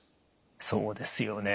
そうですよね。